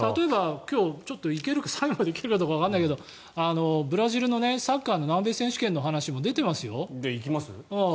今日、最後まで行けるかどうかわからないけどブラジルのサッカーの南米選手権の話も出ていますよ。